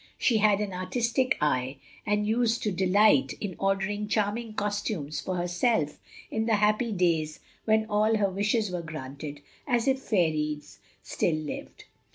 She had an artistic eye, and used to delight in ordering charming costumes for herself in the happy days when all her wishes were granted as if fairies still lived.